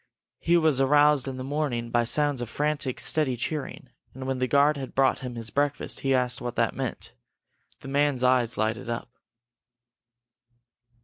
He was aroused in the morning by sounds of frantic, steady cheering, and when the guard brought him his breakfast, he asked what that meant. The man's eyes lighted up.